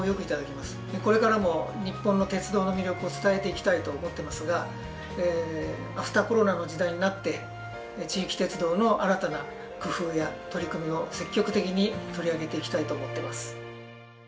これからも日本の鉄道の魅力を伝えていきたいと思ってますがアフターコロナの時代になって地域鉄道の新たな工夫や取り組みを積極的に取り上げていきたいと思ってます。